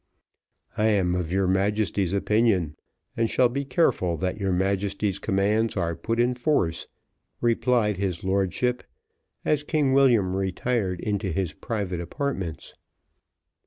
"I am of your Majesty's opinion, and shall be careful that your Majesty's commands are put in force," replied his lordship, as King William retired into his private apartments.